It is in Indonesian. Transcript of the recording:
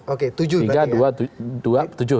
oke tujuh berarti ya